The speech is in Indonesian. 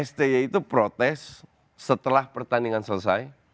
sti itu protes setelah pertandingan selesai